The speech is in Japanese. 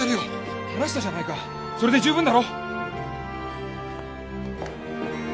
話したじゃないかそれで十分だろ？